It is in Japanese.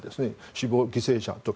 死亡、犠牲者等。